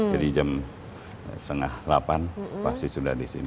jadi jam setengah delapan pasti sudah disini